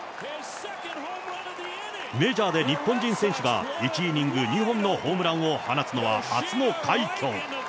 メジャーで日本人選手が１イニング２本のホームランを放つのは初の快挙。